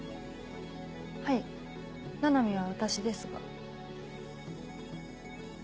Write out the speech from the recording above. はい七海は私ですが。